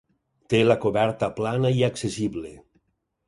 Té la coberta plana i accessible.